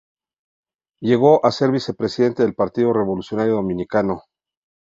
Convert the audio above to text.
Llegó a ser vicepresidente del Partido Revolucionario Dominicano.